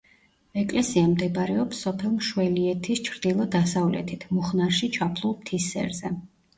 ეკლესია მდებარეობს სოფელ მშველიეთის ჩრდილო-დასავლეთით მუხნარში ჩაფლულ მთის სერზე.